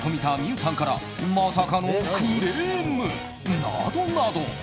生さんからまさかのクレーム、などなど。